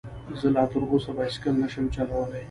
زه لا تر اوسه بايسکل نشم چلولی